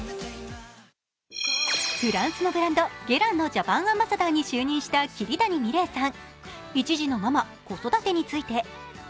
フランスのブランド、ゲランのジャパンアンバサダーに就任した桐谷美玲さん。